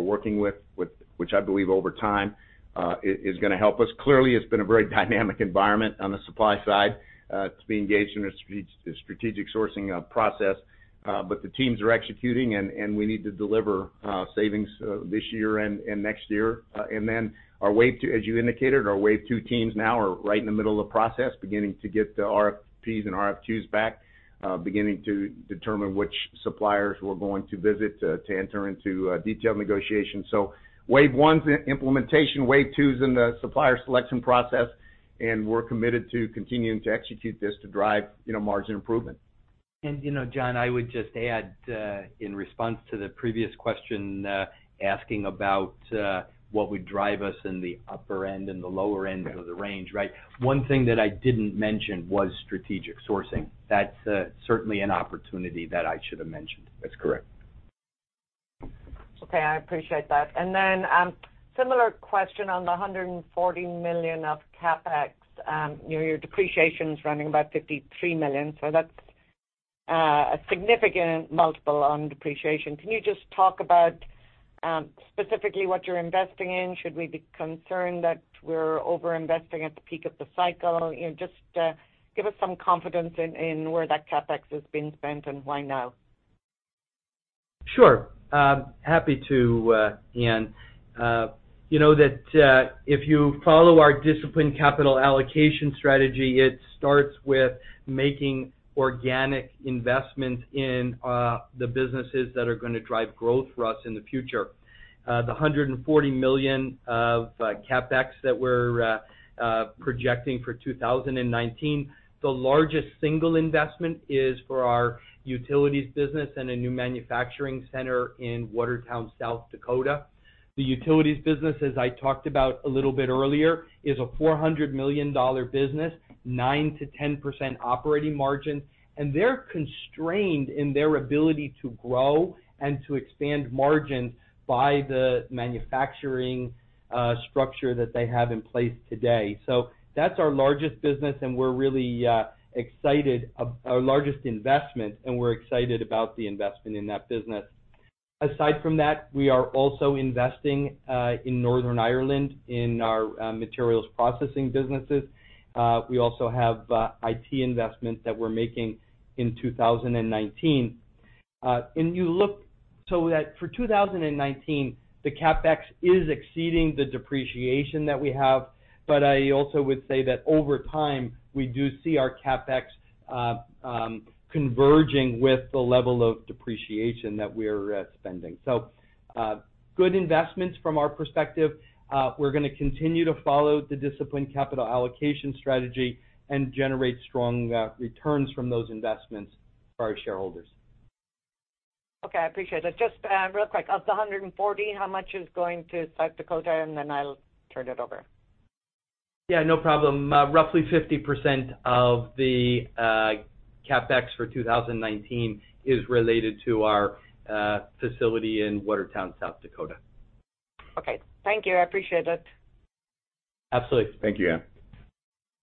working with, which I believe over time is going to help us. Clearly, it's been a very dynamic environment on the supply side to be engaged in a strategic sourcing process. The teams are executing, and we need to deliver savings this year and next year. As you indicated, our wave 2 teams now are right in the middle of process, beginning to get the RFP and RFQ back, beginning to determine which suppliers we're going to visit to enter into detailed negotiations. Wave 1's in implementation, wave 2's in the supplier selection process, and we're committed to continuing to execute this to drive margin improvement. John, I would just add, in response to the previous question, asking about what would drive us in the upper end and the lower end of the range, right? One thing that I didn't mention was strategic sourcing. That's certainly an opportunity that I should have mentioned. That's correct. Okay. I appreciate that. Similar question on the $140 million of CapEx. Your depreciation's running about $53 million, that's a significant multiple on depreciation. Can you just talk about specifically what you're investing in? Should we be concerned that we're over-investing at the peak of the cycle? Just give us some confidence in where that CapEx is being spent and why now. Sure. Happy to, Ann. You know that if you follow our disciplined capital allocation strategy, it starts with making organic investments in the businesses that are going to drive growth for us in the future. The $140 million of CapEx that we're projecting for 2019, the largest single investment is for our Utilities business and a new manufacturing center in Watertown, South Dakota. The Utilities business, as I talked about a little bit earlier, is a $400 million business, 9%-10% operating margin, and they're constrained in their ability to grow and to expand margins by the manufacturing structure that they have in place today. That's our largest business, and we're really excited. Our largest investment, and we're excited about the investment in that business. Aside from that, we are also investing in Northern Ireland in our Materials Processing businesses. We also have IT investments that we're making in 2019. That for 2019, the CapEx is exceeding the depreciation that we have. I also would say that over time, we do see our CapEx converging with the level of depreciation that we're spending. Good investments from our perspective. We're going to continue to follow the disciplined capital allocation strategy and generate strong returns from those investments. For our shareholders. Okay, I appreciate it. Just real quick. Of the $140 million, how much is going to South Dakota? Then I'll turn it over. Yeah, no problem. Roughly 50% of the CapEx for 2019 is related to our facility in Watertown, South Dakota. Okay. Thank you. I appreciate it. Absolutely. Thank you, Ann.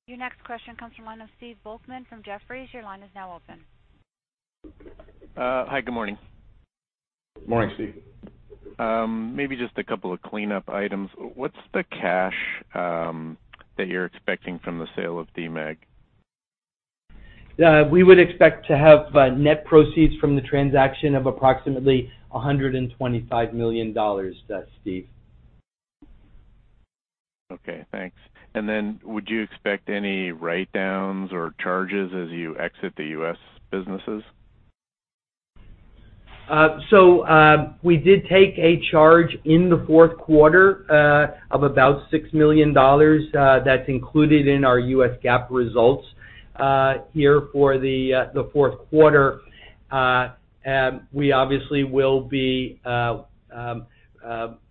Your next question comes from the line of Steve Volkmann from Jefferies. Your line is now open. Hi. Good morning. Morning, Steve. Maybe just a couple of cleanup items. What's the cash that you're expecting from the sale of Demag? We would expect to have net proceeds from the transaction of approximately $125 million, Steve. Okay, thanks. Would you expect any write-downs or charges as you exit the U.S. businesses? We did take a charge in the fourth quarter of about $6 million. That's included in our U.S. GAAP results here for the fourth quarter. We obviously will be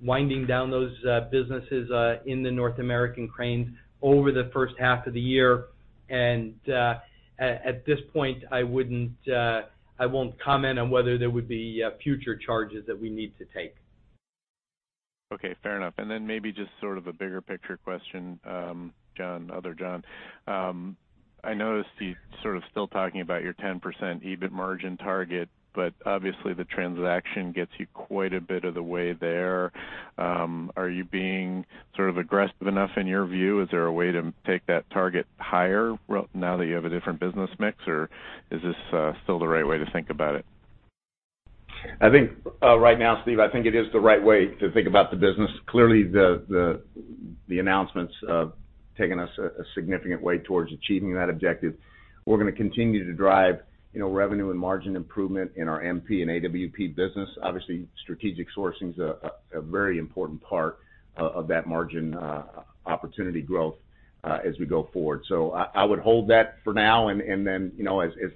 winding down those businesses in the North American cranes over the first half of the year. At this point, I won't comment on whether there would be future charges that we need to take. Okay. Fair enough. Maybe just sort of a bigger picture question, John. I noticed you sort of still talking about your 10% EBIT margin target, obviously, the transaction gets you quite a bit of the way there. Are you being sort of aggressive enough in your view? Is there a way to take that target higher now that you have a different business mix, or is this still the right way to think about it? I think right now, Steve, I think it is the right way to think about the business. Clearly, the announcements have taken us a significant way towards achieving that objective. We're going to continue to drive revenue and margin improvement in our MP and AWP business. Obviously, strategic sourcing is a very important part of that margin opportunity growth as we go forward. I would hold that for now, as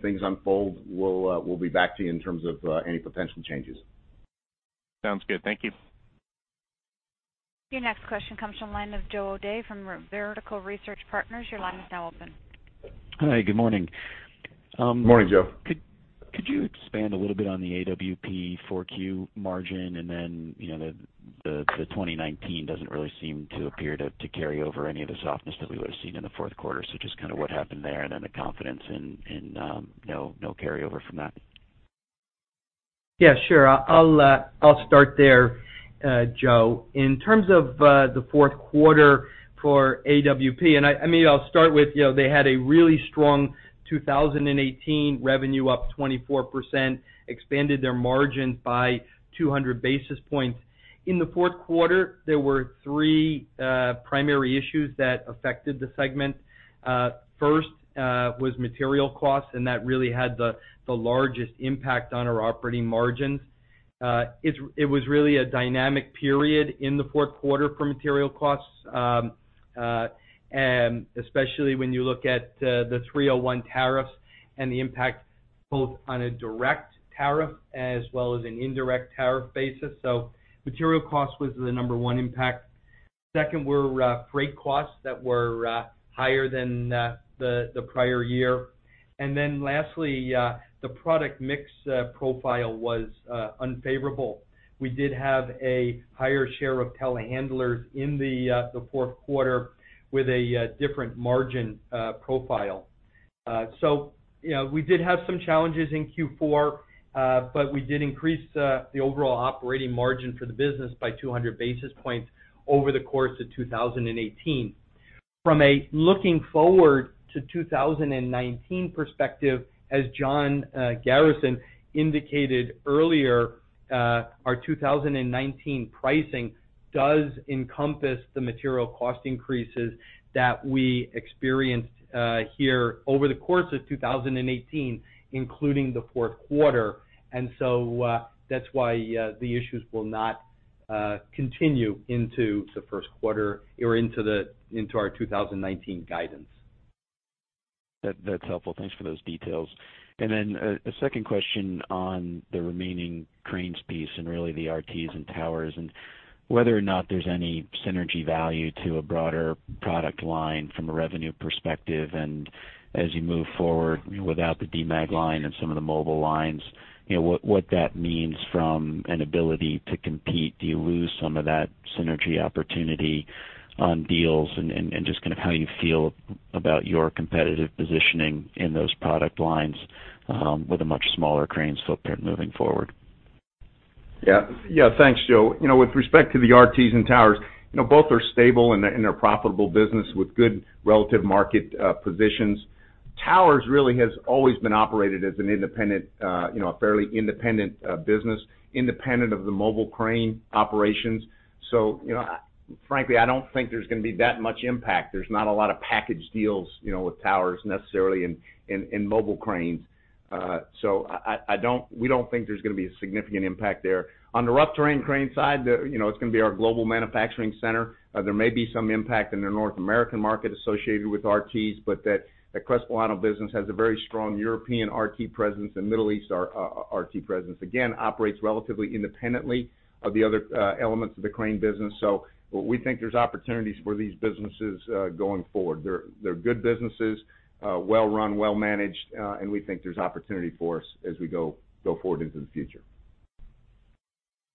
things unfold, we'll be back to you in terms of any potential changes. Sounds good. Thank you. Your next question comes from the line of Joe O'Dea from Vertical Research Partners. Your line is now open. Hi. Good morning. Morning, Joe. Could you expand a little bit on the AWP 4Q margin and then the 2019 doesn't really seem to appear to carry over any of the softness that we would've seen in the fourth quarter. Just kind of what happened there and then the confidence in no carryover from that? Yeah, sure. I'll start there, Joe. In terms of the fourth quarter for AWP, and I'll start with, they had a really strong 2018 revenue up 24%, expanded their margin by 200 basis points. In the fourth quarter, there were three primary issues that affected the segment. First, was material costs, and that really had the largest impact on our operating margins. It was really a dynamic period in the fourth quarter for material costs, especially when you look at the 301 tariffs and the impact both on a direct tariff as well as an indirect tariff basis. Material cost was the number one impact. Second were freight costs that were higher than the prior year. Lastly, the product mix profile was unfavorable. We did have a higher share of telehandlers in the fourth quarter with a different margin profile. We did have some challenges in Q4, but we did increase the overall operating margin for the business by 200 basis points over the course of 2018. From a looking forward to 2019 perspective, as John Garrison indicated earlier, our 2019 pricing does encompass the material cost increases that we experienced here over the course of 2018, including the fourth quarter. That's why the issues will not continue into the first quarter or into our 2019 guidance. That's helpful. Thanks for those details. Then a second question on the remaining cranes piece and really the RTs and towers, and whether or not there's any synergy value to a broader product line from a revenue perspective. As you move forward without the Demag line and some of the mobile lines, what that means from an ability to compete. Do you lose some of that synergy opportunity on deals? Just kind of how you feel about your competitive positioning in those product lines, with a much smaller cranes footprint moving forward. Thanks, Joe. With respect to the RTs and towers, both are stable and they're profitable business with good relative market positions. Towers really has always been operated as a fairly independent business, independent of the mobile crane operations. Frankly, I don't think there's going to be that much impact. There's not a lot of package deals with towers necessarily in mobile cranes. We don't think there's going to be a significant impact there. On the rough terrain crane side, it's going to be our global manufacturing center. There may be some impact in the North American market associated with RTs, but that Crespellano business has a very strong European RT presence and Middle East RT presence. Operates relatively independently of the other elements of the crane business. We think there's opportunities for these businesses going forward. They're good businesses, well-run, well-managed, and we think there's opportunity for us as we go forward into the future.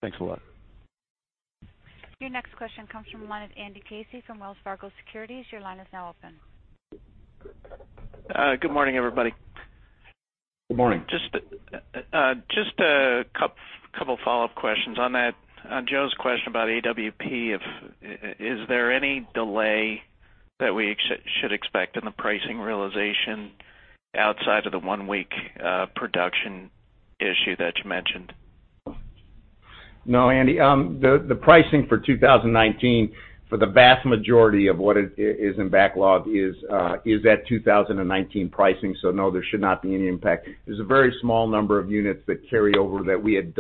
Thanks a lot. Your next question comes from the line of Andy Casey from Wells Fargo Securities. Your line is now open. Good morning, everybody. Good morning. Just a couple follow-up questions on Joe's question about AWP. Is there any delay that we should expect in the pricing realization outside of the one-week production issue that you mentioned? No, Andy. The pricing for 2019 for the vast majority of what is in backlog is at 2019 pricing. No, there should not be any impact. There's a very small number of units that carry over that we had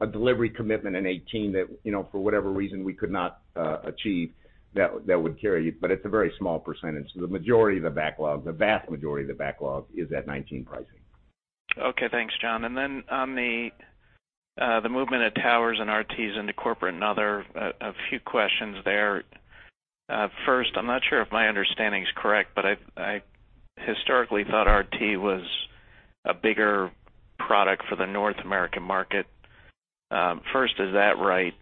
a delivery commitment in 2018 that, for whatever reason, we could not achieve that would carry. It's a very small percentage. The majority of the backlog, the vast majority of the backlog, is at 2019 pricing. Okay. Thanks, John. Then on the movement of towers and RTs into Corporate and Other, a few questions there. First, I'm not sure if my understanding is correct, but I historically thought RT was a bigger product for the North American market. First, is that right?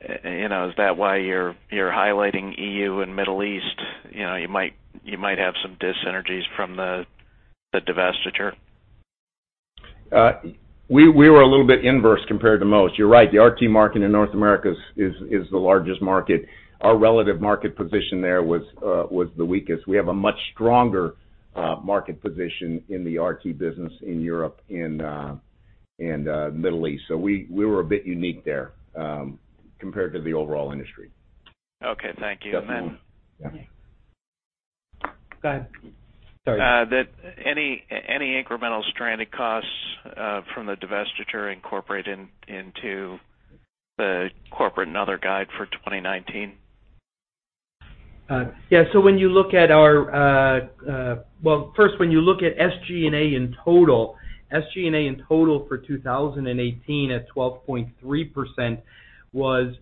Is that why you're highlighting EU and Middle East? You might have some dyssynergies from the divestiture? We were a little bit inverse compared to most. You're right, the RT market in North America is the largest market. Our relative market position there was the weakest. We have a much stronger market position in the RT business in Europe and Middle East. We were a bit unique there compared to the overall industry. Okay. Thank you. Yeah. Go ahead. Sorry. Any incremental stranded costs from the divestiture incorporate into the Corporate and Other guide for 2019? Yeah. Well, first, when you look at SG&A in total, SG&A in total for 2018 at 12.3% was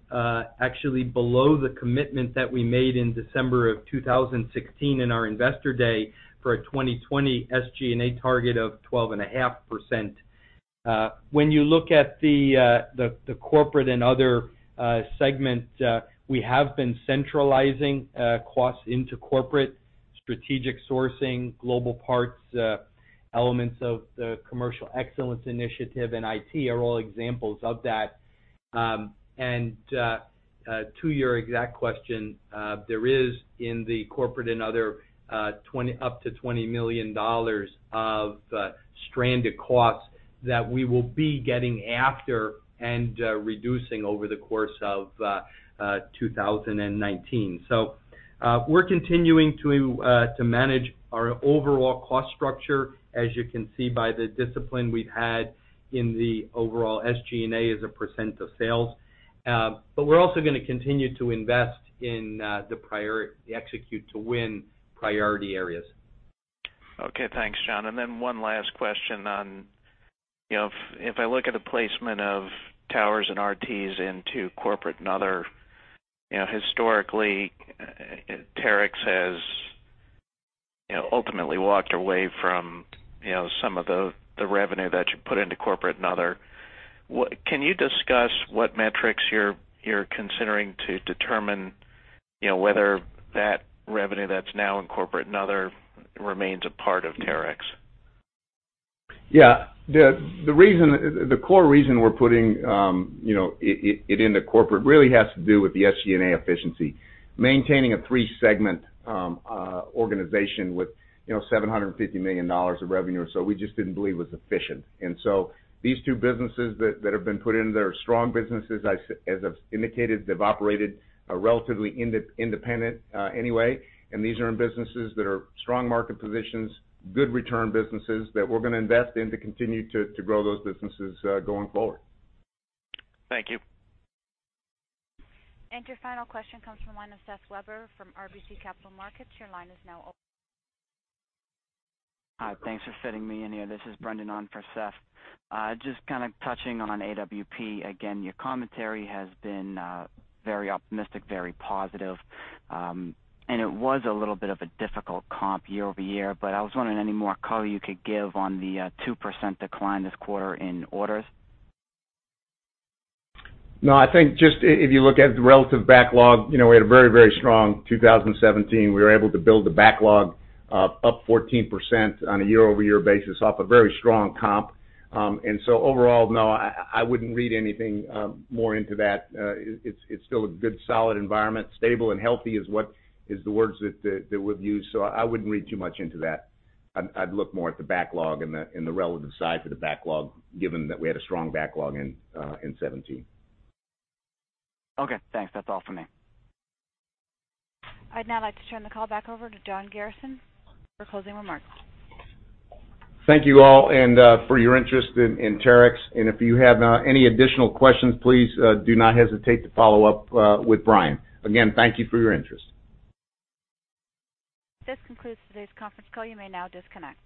actually below the commitment that we made in December of 2016 in our investor day for a 2020 SG&A target of 12.5%. When you look at the Corporate and Other segment, we have been centralizing costs into corporate strategic sourcing, global parts, elements of the Commercial Excellence Initiative, and IT are all examples of that. To your exact question, there is in the Corporate and Other, up to $20 million of stranded costs that we will be getting after and reducing over the course of 2019. We're continuing to manage our overall cost structure, as you can see by the discipline we've had in the overall SG&A as a % of sales. We're also going to continue to invest in the Execute to Win priority areas. Okay. Thanks, John. One last question on, if I look at the placement of towers and RTs into Corporate and Other, historically Terex has ultimately walked away from some of the revenue that you put into Corporate and Other. Can you discuss what metrics you're considering to determine whether that revenue that's now in Corporate and Other remains a part of Terex? Yeah. The core reason we're putting it into corporate really has to do with the SG&A efficiency. Maintaining a three-segment organization with $750 million of revenue or so, we just didn't believe was efficient. These two businesses that have been put in, they are strong businesses. As I've indicated, they've operated relatively independent anyway. These are in businesses that are strong market positions, good return businesses that we're going to invest in to continue to grow those businesses going forward. Thank you. Your final question comes from the line of Seth Weber from RBC Capital Markets. Your line is now open. Hi, thanks for fitting me in here. This is Brendan on for Seth. Just kind of touching on AWP again, your commentary has been very optimistic, very positive. It was a little bit of a difficult comp year-over-year, but I was wondering any more color you could give on the 2% decline this quarter in orders? No, I think just if you look at the relative backlog, we had a very, very strong 2017. We were able to build the backlog up 14% on a year-over-year basis off a very strong comp. Overall, no, I wouldn't read anything more into that. It's still a good solid environment. Stable and healthy is the words that we've used. I wouldn't read too much into that. I'd look more at the backlog and the relative size of the backlog, given that we had a strong backlog in 2017. Okay, thanks. That's all for me. I'd now like to turn the call back over to John Garrison for closing remarks. Thank you all for your interest in Terex. If you have any additional questions, please do not hesitate to follow up with Brian. Again, thank you for your interest. This concludes today's conference call. You may now disconnect.